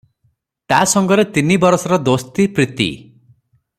ତା’ ସଙ୍ଗରେ ତିନି ବରଷର ଦୋସ୍ତି, ପ୍ରୀତି ।